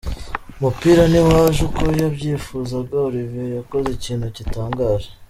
Umupira ntiwaje uko yabyifuzaga, Olivier yakoze ikintu gitangaje.